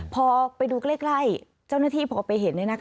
พอไปดูใกล้เจ้าหน้าที่พอไปเห็น